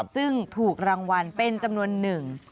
ซึ่งถูกรางวัลเป็นจำนวนหนึ่ง